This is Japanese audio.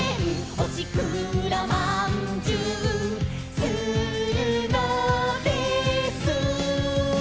「おしくらまんじゅうするのです」